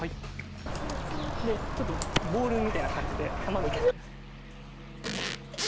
でちょっとボールみたいな感じで玉みたいにしてください。